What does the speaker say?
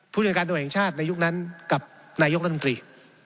ผู้โดยการตัวเองชาติในยุคนั้นกับนายกรรมนุมตรี